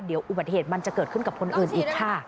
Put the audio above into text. เดี๋ยวอุบัติเหตุมันจะเกิดขึ้นกับคนอื่นอีกค่ะ